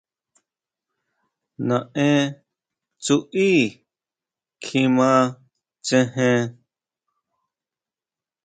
Nae Tsui kjima tsejen.